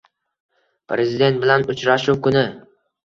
Prezident bilan uchrashuv kuni